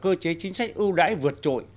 cơ chế chính sách ưu đãi vượt trội